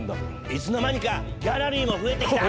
いつの間にかギャラリーも増えてきた。